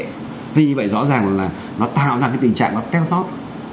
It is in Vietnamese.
thế nhưng vậy rõ ràng là nó tạo ra cái tình trạng nó tét tót